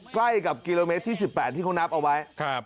ใกล้กับกิโลเมตรที่สิบแปดที่เขานับเอาไว้ครับ